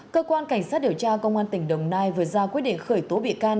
cơ quan cảnh sát điều tra công an tỉnh đồng nai vừa ra quyết định khởi tố bị can